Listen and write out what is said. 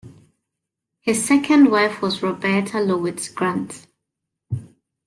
His second wife was Roberta Lowitz Grant.